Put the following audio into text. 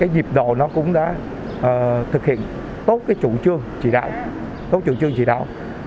nhịp độ cũng đã thực hiện tốt chủ trương chỉ đạo